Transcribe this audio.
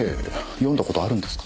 読んだ事あるんですか？